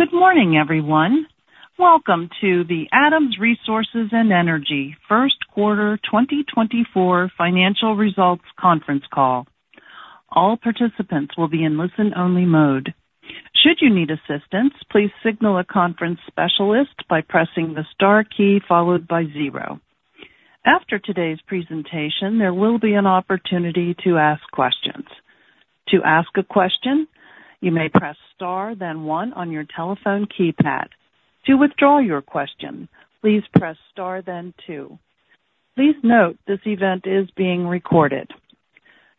Good morning, everyone. Welcome to the Adams Resources & Energy First Quarter 2024 Financial Results Conference Call. All participants will be in listen-only mode. Should you need assistance, please signal a conference specialist by pressing the star key followed by zero. After today's presentation, there will be an opportunity to ask questions. To ask a question, you may press star then one on your telephone keypad. To withdraw your question, please press star then two. Please note this event is being recorded.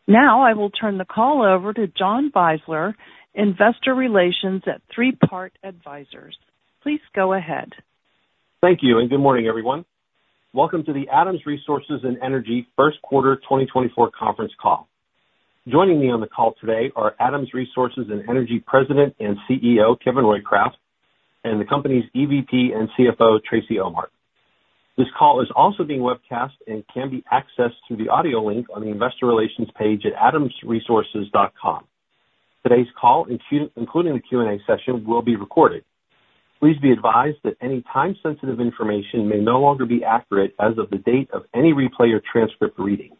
Now I will turn the call over to John Beisler, Investor Relations at Three Part Advisors. Please go ahead. Thank you, and good morning, everyone. Welcome to the Adams Resources & Energy First Quarter 2024 Conference Call. Joining me on the call today are Adams Resources & Energy President and CEO Kevin Roycraft and the company's EVP and CFO, Tracy Ohmart. This call is also being webcast and can be accessed through the audio link on the Investor Relations page at adamsresources.com. Today's call, including the Q&A session, will be recorded. Please be advised that any time-sensitive information may no longer be accurate as of the date of any replay or transcript reading.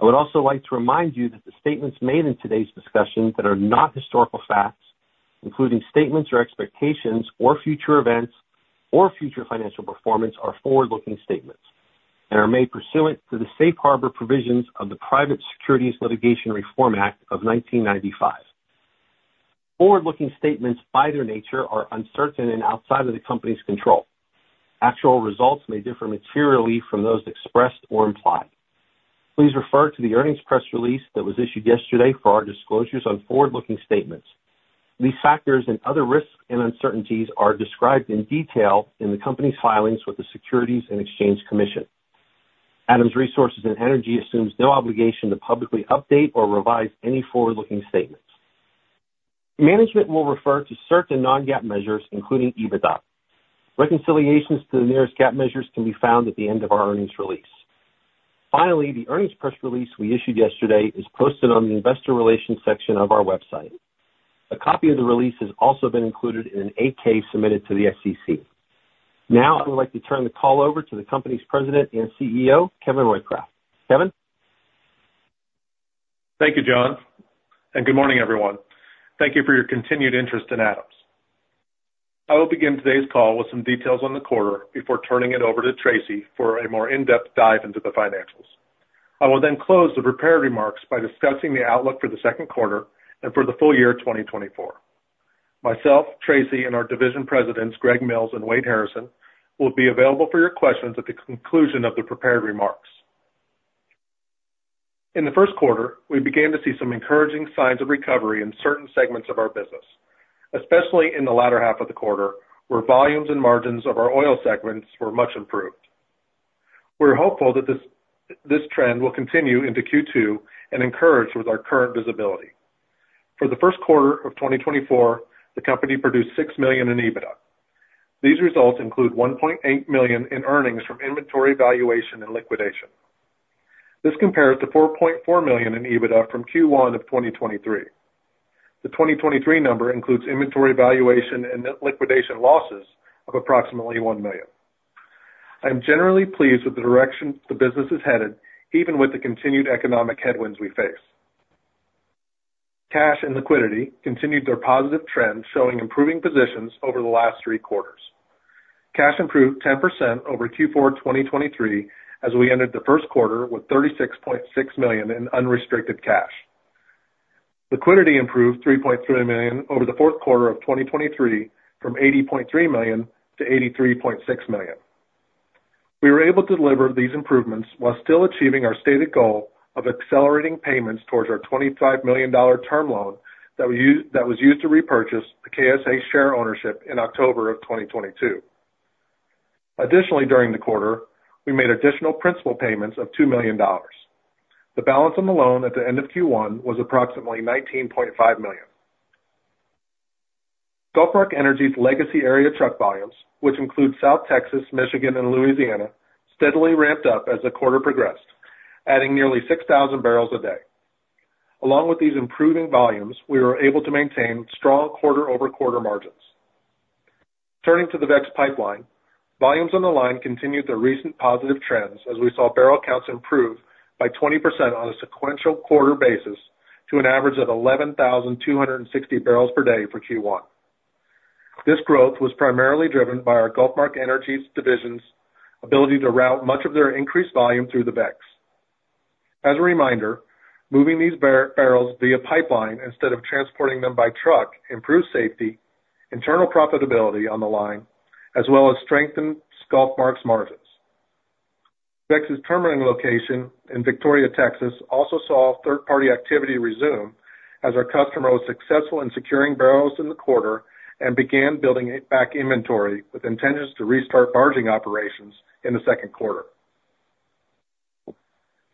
I would also like to remind you that the statements made in today's discussion that are not historical facts, including statements or expectations or future events or future financial performance, are forward-looking statements and are made pursuant to the Safe Harbor Provisions of the Private Securities Litigation Reform Act of 1995. Forward-looking statements, by their nature, are uncertain and outside of the company's control. Actual results may differ materially from those expressed or implied. Please refer to the earnings press release that was issued yesterday for our disclosures on forward-looking statements. These factors and other risks and uncertainties are described in detail in the company's filings with the Securities and Exchange Commission. Adams Resources & Energy assumes no obligation to publicly update or revise any forward-looking statements. Management will refer to certain non-GAAP measures, including EBITDA. Reconciliations to the nearest GAAP measures can be found at the end of our earnings release. Finally, the earnings press release we issued yesterday is posted on the Investor Relations section of our website. A copy of the release has also been included in an 8-K submitted to the SEC. Now I would like to turn the call over to the company's President and CEO, Kevin Roycraft. Kevin? Thank you, John, and good morning, everyone. Thank you for your continued interest in Adams. I will begin today's call with some details on the quarter before turning it over to Tracy for a more in-depth dive into the financials. I will then close the prepared remarks by discussing the outlook for the second quarter and for the full year 2024. Myself, Tracy, and our division presidents, Greg Mills and Wade Harrison, will be available for your questions at the conclusion of the prepared remarks. In the first quarter, we began to see some encouraging signs of recovery in certain segments of our business, especially in the latter half of the quarter, where volumes and margins of our oil segments were much improved. We're hopeful that this trend will continue into Q2 and encouraged with our current visibility. For the first quarter of 2024, the company produced $6 million in EBITDA. These results include $1.8 million in earnings from inventory valuation and liquidation. This compares to $4.4 million in EBITDA from Q1 of 2023. The 2023 number includes inventory valuation and liquidation losses of approximately $1 million. I am generally pleased with the direction the business is headed, even with the continued economic headwinds we face. Cash and liquidity continued their positive trend, showing improving positions over the last three quarters. Cash improved 10% over Q4 2023 as we entered the first quarter with $36.6 million in unrestricted cash. Liquidity improved $3.3 million over the fourth quarter of 2023 from $80.3 million to $83.6 million. We were able to deliver these improvements while still achieving our stated goal of accelerating payments towards our $25 million term loan that was used to repurchase the KSA share ownership in October of 2022. Additionally, during the quarter, we made additional principal payments of $2 million. The balance on the loan at the end of Q1 was approximately $19.5 million. GulfMark Energy's legacy area truck volumes, which include South Texas, Michigan, and Louisiana, steadily ramped up as the quarter progressed, adding nearly 6,000 barrels a day. Along with these improving volumes, we were able to maintain strong quarter-over-quarter margins. Turning to the VEX Pipeline, volumes on the line continued their recent positive trends as we saw barrel counts improve by 20% on a sequential quarter basis to an average of 11,260 barrels per day for Q1. This growth was primarily driven by our GulfMark Energy's division's ability to route much of their increased volume through the VEX. As a reminder, moving these barrels via pipeline instead of transporting them by truck improves safety, internal profitability on the line, as well as strengthens GulfMark's margins. VEX's terminating location in Victoria, Texas, also saw third-party activity resume as our customer was successful in securing barrels in the quarter and began building back inventory with intentions to restart barging operations in the second quarter.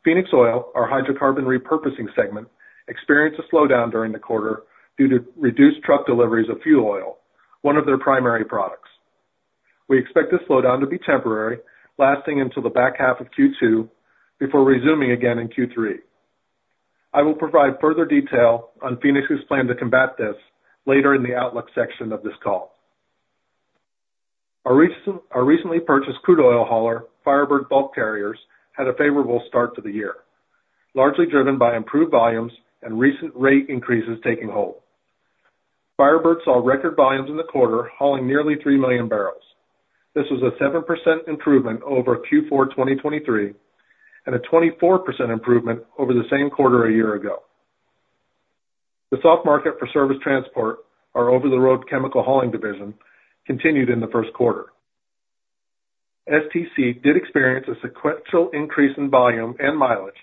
Phoenix Oil, our hydrocarbon repurposing segment, experienced a slowdown during the quarter due to reduced truck deliveries of fuel oil, one of their primary products. We expect this slowdown to be temporary, lasting until the back half of Q2 before resuming again in Q3. I will provide further detail on Phoenix's plan to combat this later in the outlook section of this call. Our recently purchased crude oil hauler, Firebird Bulk Carriers, had a favorable start to the year, largely driven by improved volumes and recent rate increases taking hold. Firebird saw record volumes in the quarter, hauling nearly 3 million barrels. This was a 7% improvement over Q4 2023 and a 24% improvement over the same quarter a year ago. The soft market for Service Transport, our over-the-road chemical hauling division, continued in the first quarter. STC did experience a sequential increase in volume and mileage.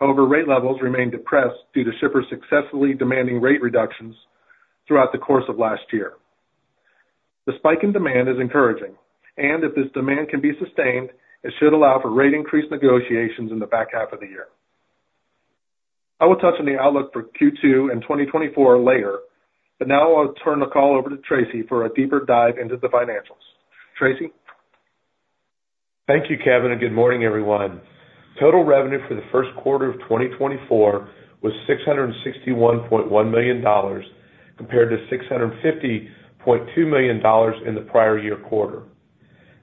However, rate levels remained depressed due to shippers successfully demanding rate reductions throughout the course of last year. The spike in demand is encouraging, and if this demand can be sustained, it should allow for rate increase negotiations in the back half of the year. I will touch on the outlook for Q2 and 2024 later, but now I'll turn the call over to Tracy for a deeper dive into the financials. Tracy? Thank you, Kevin, and good morning, everyone. Total revenue for the first quarter of 2024 was $661.1 million compared to $650.2 million in the prior year quarter.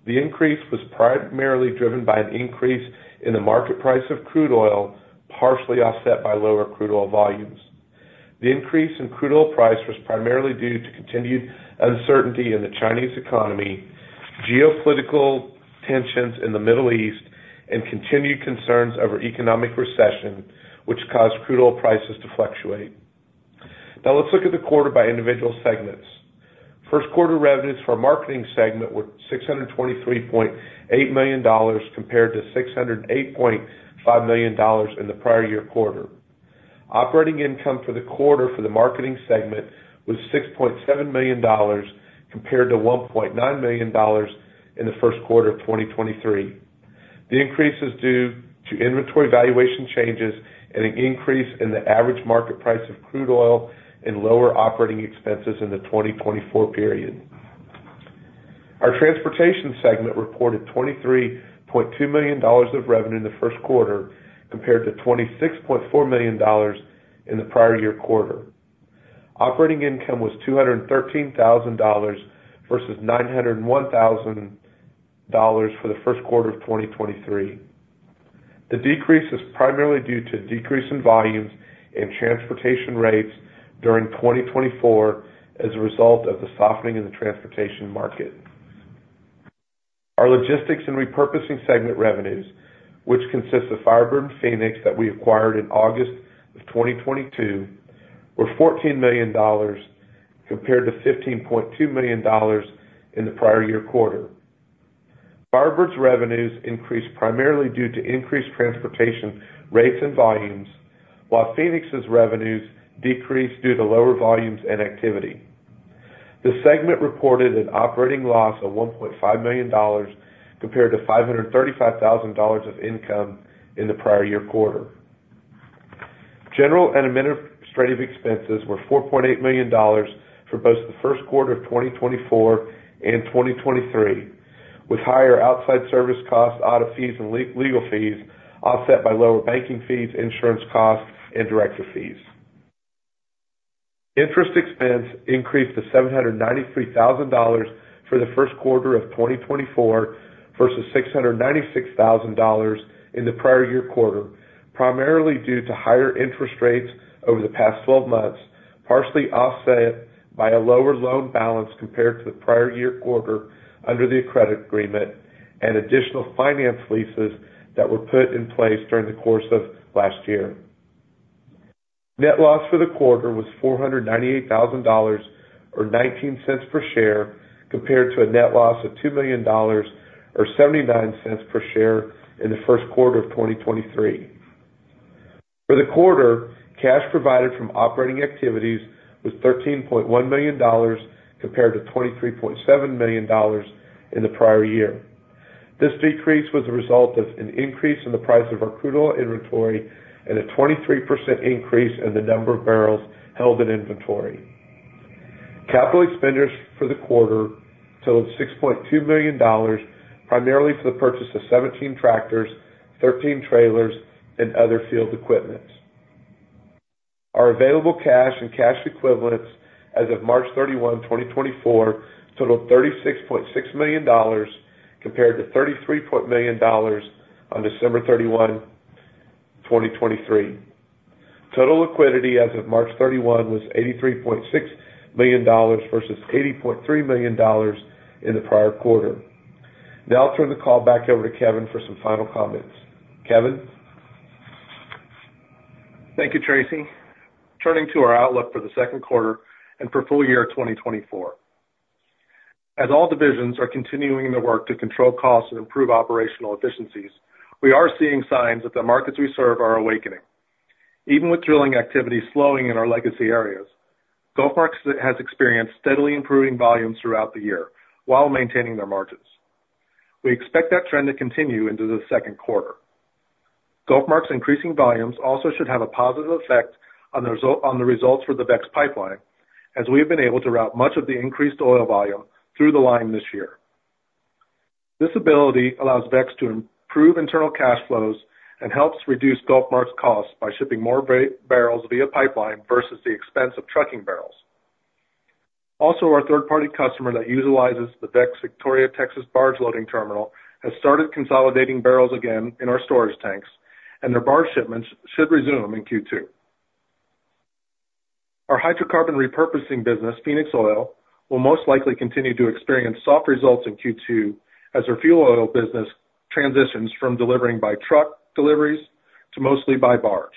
The increase was primarily driven by an increase in the market price of crude oil, partially offset by lower crude oil volumes. The increase in crude oil price was primarily due to continued uncertainty in the Chinese economy, geopolitical tensions in the Middle East, and continued concerns over economic recession, which caused crude oil prices to fluctuate. Now let's look at the quarter by individual segments. First quarter revenues for our marketing segment were $623.8 million compared to $608.5 million in the prior year quarter. Operating income for the quarter for the marketing segment was $6.7 million compared to $1.9 million in the first quarter of 2023. The increase is due to inventory valuation changes and an increase in the average market price of crude oil and lower operating expenses in the 2024 period. Our transportation segment reported $23.2 million of revenue in the first quarter compared to $26.4 million in the prior year quarter. Operating income was $213,000 versus $901,000 for the first quarter of 2023. The decrease is primarily due to a decrease in volumes and transportation rates during 2024 as a result of the softening in the transportation market. Our logistics and repurposing segment revenues, which consist of Firebird and Phoenix that we acquired in August of 2022, were $14 million compared to $15.2 million in the prior year quarter. Firebird's revenues increased primarily due to increased transportation rates and volumes, while Phoenix's revenues decreased due to lower volumes and activity. The segment reported an operating loss of $1.5 million compared to $535,000 of income in the prior year quarter. General and administrative expenses were $4.8 million for both the first quarter of 2024 and 2023, with higher outside service costs, audit fees, and legal fees offset by lower banking fees, insurance costs, and director fees. Interest expense increased to $793,000 for the first quarter of 2024 versus $696,000 in the prior year quarter, primarily due to higher interest rates over the past 12 months, partially offset by a lower loan balance compared to the prior year quarter under the credit agreement and additional finance leases that were put in place during the course of last year. Net loss for the quarter was $498,000 or $0.19 per share compared to a net loss of $2 million or $0.79 per share in the first quarter of 2023. For the quarter, cash provided from operating activities was $13.1 million compared to $23.7 million in the prior year. This decrease was a result of an increase in the price of our crude oil inventory and a 23% increase in the number of barrels held in inventory. Capital expenditures for the quarter totaled $6.2 million, primarily for the purchase of 17 tractors, 13 trailers, and other field equipment. Our available cash and cash equivalents as of March 31, 2024, totaled $36.6 million compared to $33.0 million on December 31, 2023. Total liquidity as of March 31 was $83.6 million versus $80.3 million in the prior quarter. Now I'll turn the call back over to Kevin for some final comments. Kevin? Thank you, Tracy. Turning to our outlook for the second quarter and for full year 2024. As all divisions are continuing their work to control costs and improve operational efficiencies, we are seeing signs that the markets we serve are awakening. Even with drilling activity slowing in our legacy areas, GulfMark has experienced steadily improving volumes throughout the year while maintaining their margins. We expect that trend to continue into the second quarter. GulfMark's increasing volumes also should have a positive effect on the results for the VEX Pipeline, as we have been able to route much of the increased oil volume through the line this year. This ability allows VEX to improve internal cash flows and helps reduce GulfMark's costs by shipping more barrels via pipeline versus the expense of trucking barrels. Also, our third-party customer that utilizes the VEX Victoria, Texas, barge loading terminal has started consolidating barrels again in our storage tanks, and their barge shipments should resume in Q2. Our hydrocarbon repurposing business, Phoenix Oil, will most likely continue to experience soft results in Q2 as our fuel oil business transitions from delivering by truck deliveries to mostly by barge.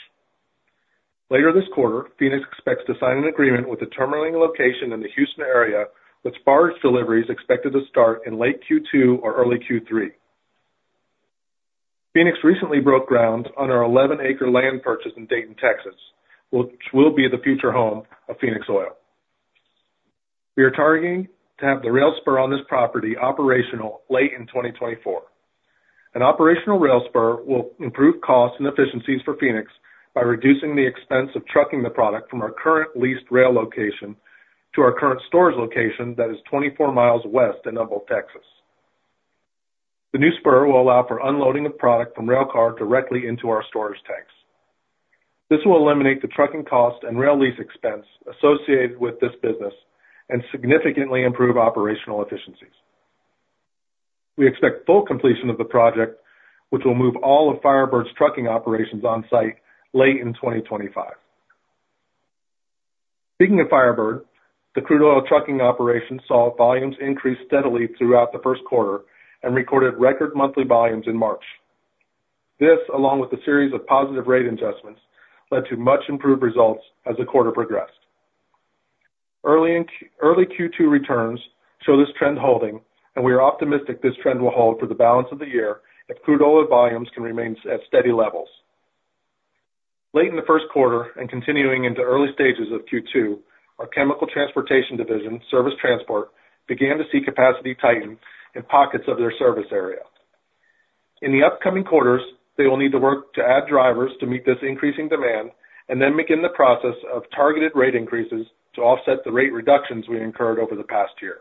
Later this quarter, Phoenix expects to sign an agreement with a terminating location in the Houston area, with barge deliveries expected to start in late Q2 or early Q3. Phoenix recently broke ground on our 11-acre land purchase in Dayton, Texas, which will be the future home of Phoenix Oil. We are targeting to have the rail spur on this property operational late in 2024. An operational rail spur will improve costs and efficiencies for Phoenix by reducing the expense of trucking the product from our current leased rail location to our current storage location that is 24 miles west in Humble, Texas. The new spur will allow for unloading of product from rail car directly into our storage tanks. This will eliminate the trucking cost and rail lease expense associated with this business and significantly improve operational efficiencies. We expect full completion of the project, which will move all of Firebird's trucking operations on site late in 2025. Speaking of Firebird, the crude oil trucking operations saw volumes increase steadily throughout the first quarter and recorded record monthly volumes in March. This, along with a series of positive rate adjustments, led to much improved results as the quarter progressed. Early Q2 returns show this trend holding, and we are optimistic this trend will hold for the balance of the year if crude oil volumes can remain at steady levels. Late in the first quarter and continuing into early stages of Q2, our chemical transportation division, Service Transport, began to see capacity tighten in pockets of their service area. In the upcoming quarters, they will need to work to add drivers to meet this increasing demand and then begin the process of targeted rate increases to offset the rate reductions we incurred over the past year.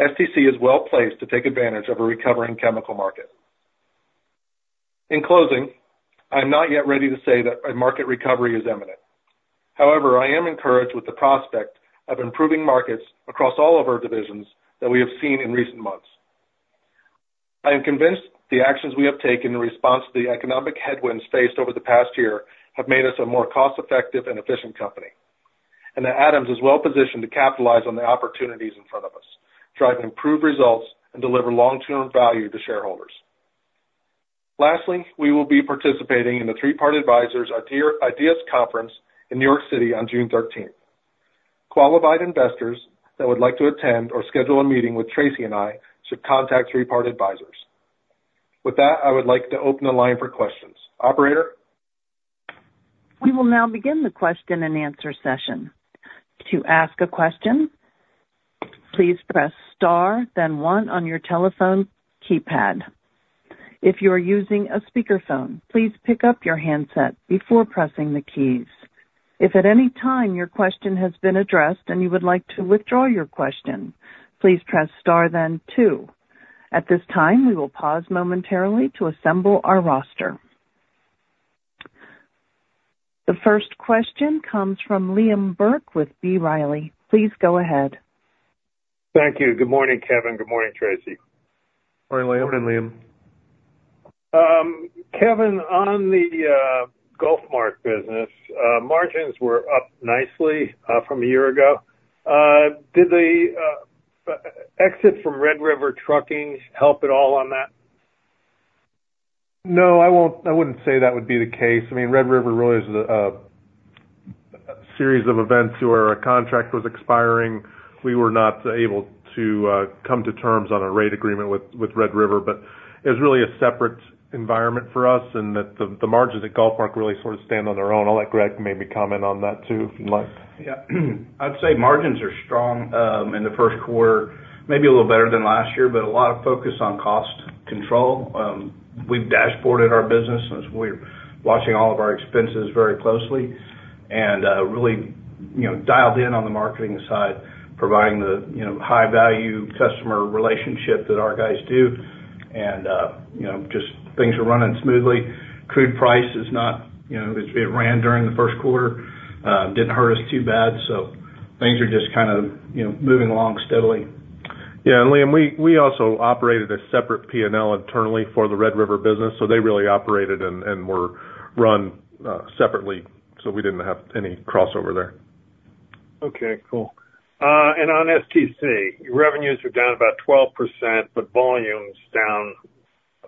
STC is well placed to take advantage of a recovering chemical market. In closing, I am not yet ready to say that a market recovery is imminent. However, I am encouraged with the prospect of improving markets across all of our divisions that we have seen in recent months. I am convinced the actions we have taken in response to the economic headwinds faced over the past year have made us a more cost-effective and efficient company, and that Adams is well positioned to capitalize on the opportunities in front of us, drive improved results, and deliver long-term value to shareholders. Lastly, we will be participating in the Three Part Advisors IDEAS Conference in New York City on June 13th. Qualified investors that would like to attend or schedule a meeting with Tracy and I should contact Three Part Advisors. With that, I would like to open the line for questions. Operator? We will now begin the question-and-answer session. To ask a question, please press star, then one on your telephone keypad. If you are using a speakerphone, please pick up your handset before pressing the keys. If at any time your question has been addressed and you would like to withdraw your question, please press star, then two. At this time, we will pause momentarily to assemble our roster. The first question comes from Liam Burke with B. Riley. Please go ahead. Thank you. Good morning, Kevin. Good morning, Tracy. Morning, Liam. Morning, Liam. Kevin, on the GulfMark business, margins were up nicely from a year ago. Did the exit from Red River Trucking help at all on that? No, I wouldn't say that would be the case. I mean, Red River really is a series of events where a contract was expiring. We were not able to come to terms on a rate agreement with Red River, but it was really a separate environment for us in that the margins at GulfMark really sort of stand on their own. I'll let Greg maybe comment on that too if you'd like. Yeah. I'd say margins are strong in the first quarter, maybe a little better than last year, but a lot of focus on cost control. We've dashboarded our business, and we're watching all of our expenses very closely and really dialed in on the marketing side, providing the high-value customer relationship that our guys do. Just things are running smoothly. Crude price is not it ran during the first quarter, didn't hurt us too bad, so things are just kind of moving along steadily. Yeah. And Liam, we also operated a separate P&L internally for the Red River business, so they really operated and were run separately, so we didn't have any crossover there. Okay. Cool. And on STC, revenues were down about 12%, but volume's down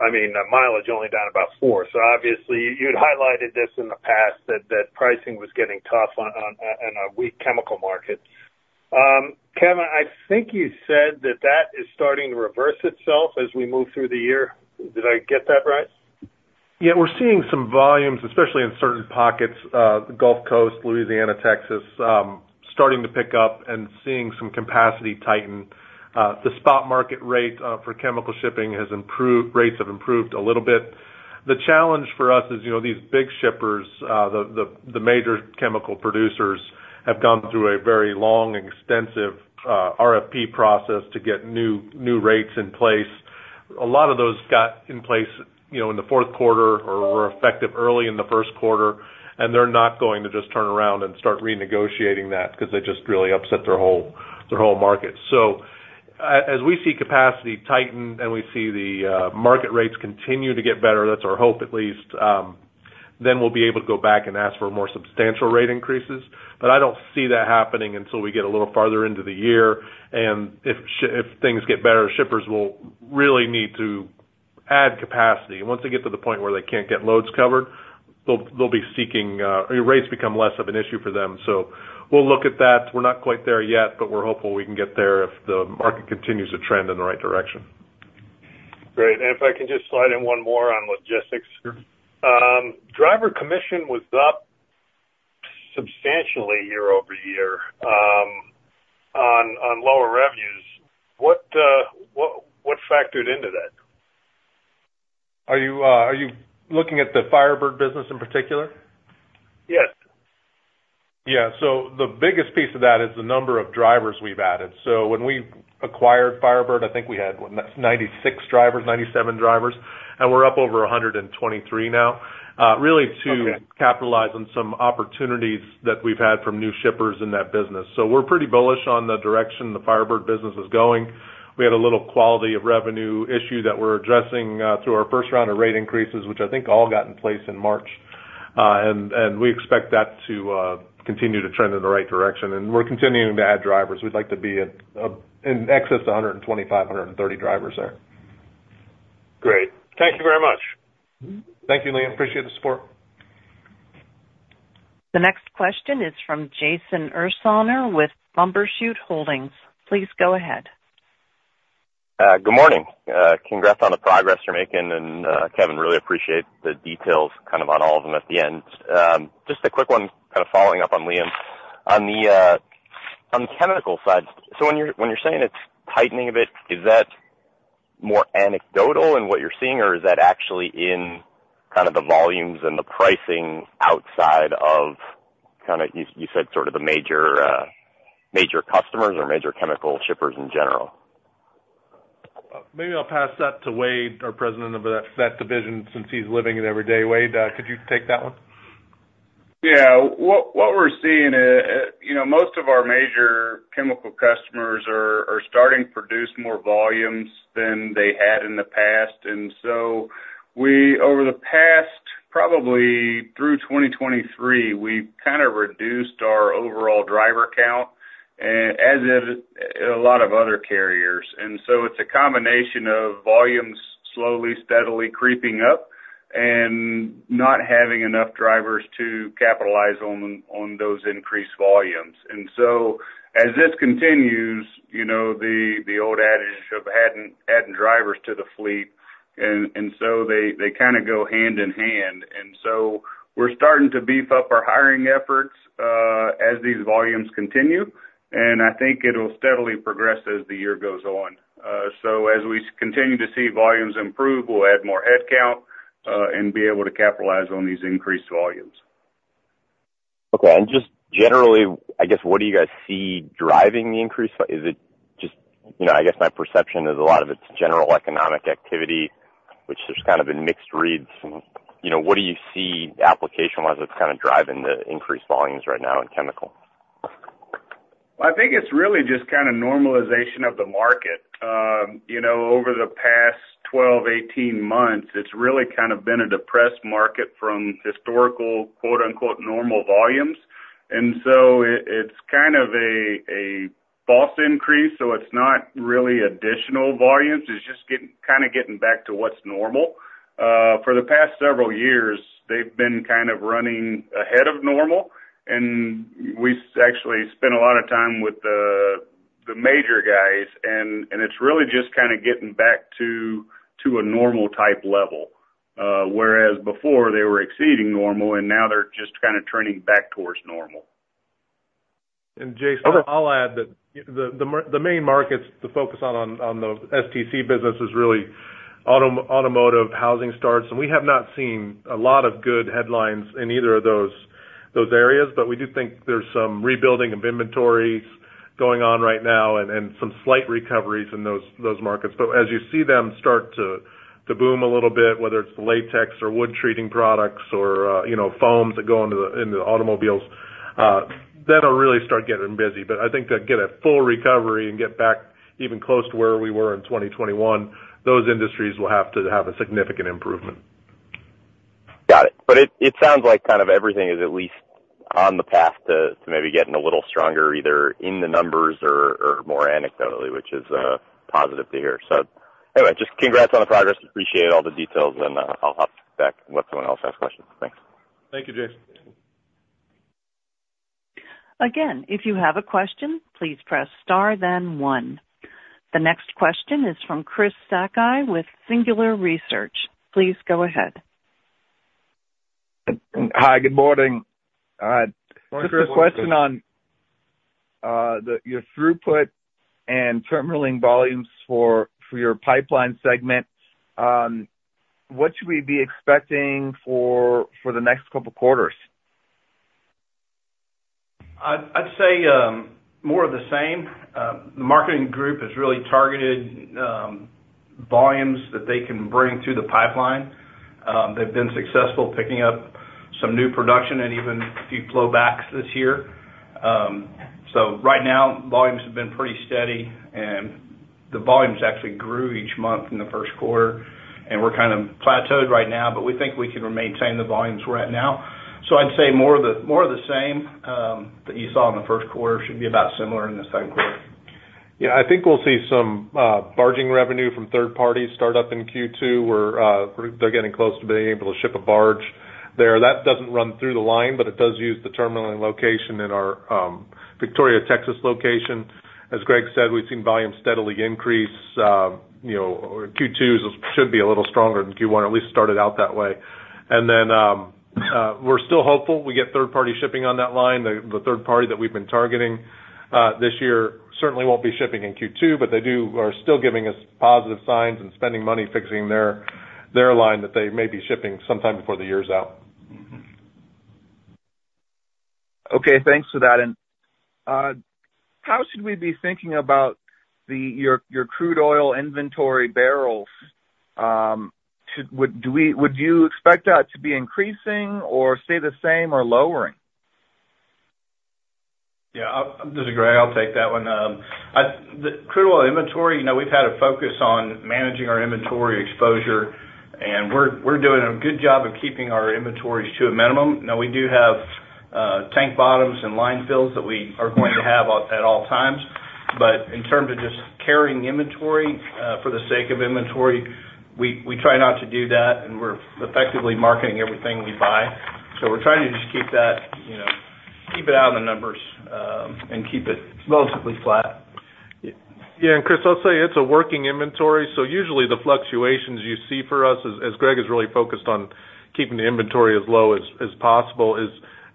I mean, mileage only down about 4%. So obviously, you'd highlighted this in the past, that pricing was getting tough in a weak chemical market. Kevin, I think you said that that is starting to reverse itself as we move through the year. Did I get that right? Yeah. We're seeing some volumes, especially in certain pockets, the Gulf Coast, Louisiana, Texas, starting to pick up and seeing some capacity tighten. The spot market rate for chemical shipping has improved. Rates have improved a little bit. The challenge for us is these big shippers, the major chemical producers, have gone through a very long, extensive RFP process to get new rates in place. A lot of those got in place in the fourth quarter or were effective early in the first quarter, and they're not going to just turn around and start renegotiating that because they just really upset their whole market. So as we see capacity tighten and we see the market rates continue to get better, that's our hope at least, then we'll be able to go back and ask for more substantial rate increases. But I don't see that happening until we get a little farther into the year. And if things get better, shippers will really need to add capacity. Once they get to the point where they can't get loads covered, they'll be seeking rates become less of an issue for them. So we'll look at that. We're not quite there yet, but we're hopeful we can get there if the market continues to trend in the right direction. Great. If I can just slide in one more on logistics. Driver commission was up substantially year-over-year on lower revenues. What factored into that? Are you looking at the Firebird business in particular? Yes. Yeah. So the biggest piece of that is the number of drivers we've added. So when we acquired Firebird, I think we had 96 drivers, 97 drivers, and we're up over 123 now, really to capitalize on some opportunities that we've had from new shippers in that business. So we're pretty bullish on the direction the Firebird business is going. We had a little quality of revenue issue that we're addressing through our first round of rate increases, which I think all got in place in March. And we expect that to continue to trend in the right direction. And we're continuing to add drivers. We'd like to be in excess to 125, 130 drivers there. Great. Thank you very much. Thank you, Liam. Appreciate the support. The next question is from Jason Ursaner with Bumbershoot Holdings. Please go ahead. Good morning. Congrats on the progress you're making, and Kevin, really appreciate the details kind of on all of them at the end. Just a quick one kind of following up on Liam. On the chemical side, so when you're saying it's tightening a bit, is that more anecdotal in what you're seeing, or is that actually in kind of the volumes and the pricing outside of kind of you said sort of the major customers or major chemical shippers in general? Maybe I'll pass that to Wade, our president of that division, since he's living in Dayton. Wade, could you take that one? Yeah. What we're seeing is most of our major chemical customers are starting to produce more volumes than they had in the past. And so over the past probably through 2023, we've kind of reduced our overall driver count as did a lot of other carriers. And so it's a combination of volumes slowly, steadily creeping up and not having enough drivers to capitalize on those increased volumes. And so as this continues, the old adage of adding drivers to the fleet, and so they kind of go hand in hand. And so we're starting to beef up our hiring efforts as these volumes continue, and I think it'll steadily progress as the year goes on. So as we continue to see volumes improve, we'll add more headcount and be able to capitalize on these increased volumes. Okay. Just generally, I guess, what do you guys see driving the increase? Is it just I guess my perception is a lot of it's general economic activity, which there's kind of been mixed reads. What do you see application-wise that's kind of driving the increased volumes right now in chemical? Well, I think it's really just kind of normalization of the market. Over the past 12, 18 months, it's really kind of been a depressed market from historical "normal" volumes. And so it's kind of a false increase, so it's not really additional volumes. It's just kind of getting back to what's normal. For the past several years, they've been kind of running ahead of normal. And we actually spent a lot of time with the major guys, and it's really just kind of getting back to a normal-type level, whereas before, they were exceeding normal, and now they're just kind of turning back towards normal. Jason, I'll add that the main markets to focus on on the STC business is really automotive, housing starts. We have not seen a lot of good headlines in either of those areas, but we do think there's some rebuilding of inventory going on right now and some slight recoveries in those markets. As you see them start to boom a little bit, whether it's the latex or wood treating products or foams that go into the automobiles, then they'll really start getting busy. I think to get a full recovery and get back even close to where we were in 2021, those industries will have to have a significant improvement. Got it. But it sounds like kind of everything is at least on the path to maybe getting a little stronger, either in the numbers or more anecdotally, which is positive to hear. So anyway, just congrats on the progress. Appreciate all the details, and I'll hop back once someone else asks questions. Thanks. Thank you, Jason. Again, if you have a question, please press star, then one. The next question is from Chris Sakai with Singular Research. Please go ahead. Hi. Good morning. Just a question on your throughput and terminaling volumes for your pipeline segment. What should we be expecting for the next couple of quarters? I'd say more of the same. The marketing group has really targeted volumes that they can bring through the pipeline. They've been successful picking up some new production and even a few flowbacks this year. Right now, volumes have been pretty steady, and the volumes actually grew each month in the first quarter. We're kind of plateaued right now, but we think we can maintain the volumes we're at now. I'd say more of the same that you saw in the first quarter should be about similar in the second quarter. Yeah. I think we'll see some barging revenue from third parties start up in Q2 where they're getting close to being able to ship a barge there. That doesn't run through the line, but it does use the terminaling location in our Victoria, Texas, location. As Greg said, we've seen volumes steadily increase. Q2 should be a little stronger than Q1, or at least started out that way. And then we're still hopeful. We get third-party shipping on that line. The third party that we've been targeting this year certainly won't be shipping in Q2, but they are still giving us positive signs and spending money fixing their line that they may be shipping sometime before the year's out. Okay. Thanks for that. How should we be thinking about your crude oil inventory barrels? Would you expect that to be increasing or stay the same or lowering? Yeah. This is Greg. I'll take that one. The crude oil inventory, we've had a focus on managing our inventory exposure, and we're doing a good job of keeping our inventories to a minimum. Now, we do have tank bottoms and line fills that we are going to have at all times. But in terms of just carrying inventory for the sake of inventory, we try not to do that, and we're effectively marketing everything we buy. So we're trying to just keep it out of the numbers and keep it relatively flat. Yeah. And Chris, I'll say it's a working inventory. So usually, the fluctuations you see for us, as Greg is really focused on keeping the inventory as low as possible,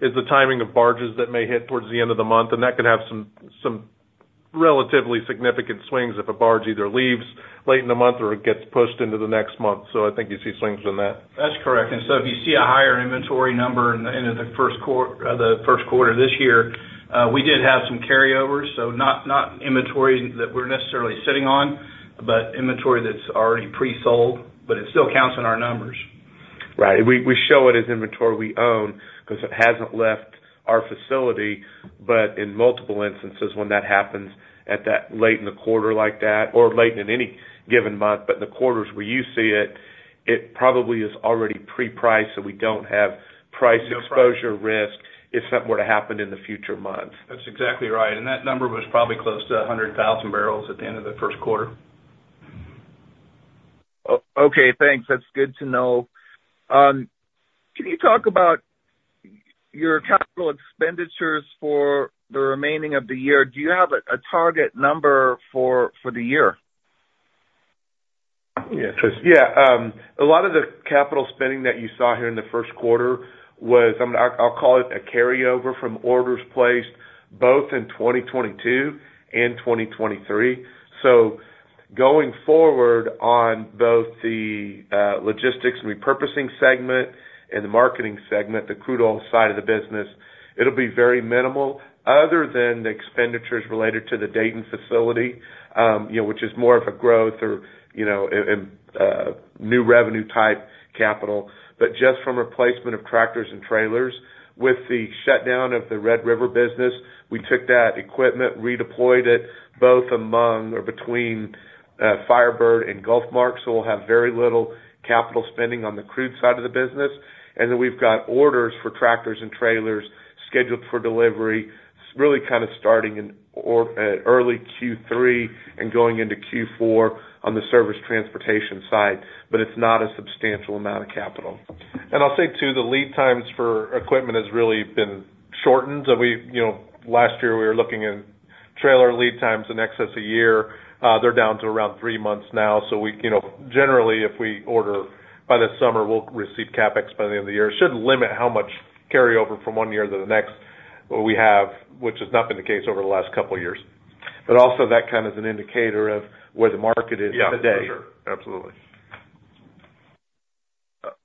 is the timing of barges that may hit towards the end of the month. And that could have some relatively significant swings if a barge either leaves late in the month or gets pushed into the next month. So I think you see swings in that. That's correct. And so if you see a higher inventory number in the end of the first quarter this year, we did have some carryovers, so not inventory that we're necessarily sitting on, but inventory that's already pre-sold, but it still counts in our numbers. Right. We show it as inventory we own because it hasn't left our facility. But in multiple instances, when that happens late in the quarter like that or late in any given month, but in the quarters where you see it, it probably is already pre-priced, so we don't have price exposure risk if something were to happen in the future months. That's exactly right. That number was probably close to 100,000 barrels at the end of the first quarter. Okay. Thanks. That's good to know. Can you talk about your capital expenditures for the remaining of the year? Do you have a target number for the year? Yeah. Yeah. A lot of the capital spending that you saw here in the first quarter was I'll call it a carryover from orders placed both in 2022 and 2023. So going forward on both the logistics and repurposing segment and the marketing segment, the crude oil side of the business, it'll be very minimal other than the expenditures related to the Dayton facility, which is more of a growth or new revenue-type capital. But just from replacement of tractors and trailers, with the shutdown of the Red River business, we took that equipment, redeployed it both among or between Firebird and GulfMark, so we'll have very little capital spending on the crude side of the business. And then we've got orders for tractors and trailers scheduled for delivery, really kind of starting in early Q3 and going into Q4 on the service transportation side, but it's not a substantial amount of capital. And I'll say too, the lead times for equipment has really been shortened. Last year, we were looking at trailer lead times in excess a year. They're down to around three months now. So generally, if we order by the summer, we'll receive CapEx by the end of the year. It should limit how much carryover from one year to the next we have, which has not been the case over the last couple of years. But also, that kind of is an indicator of where the market is today. Yeah. For sure. Absolutely.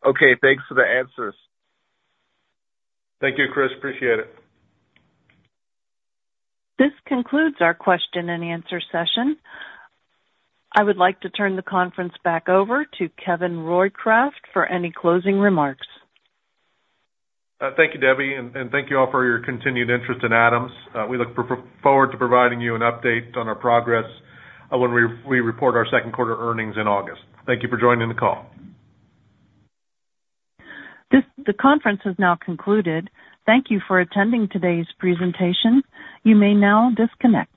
Okay. Thanks for the answers. Thank you, Chris. Appreciate it. This concludes our question and answer session. I would like to turn the conference back over to Kevin Roycraft for any closing remarks. Thank you, Debbie, and thank you all for your continued interest in Adams. We look forward to providing you an update on our progress when we report our second quarter earnings in August. Thank you for joining the call. The conference has now concluded. Thank you for attending today's presentation. You may now disconnect.